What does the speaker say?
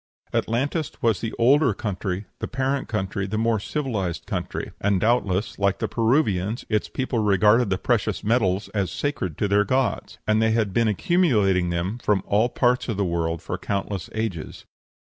Atlantis was the older country, the parent country, the more civilized country; and, doubtless, like the Peruvians, its people regarded the precious metals as sacred to their gods; and they had been accumulating them from all parts of the world for countless ages.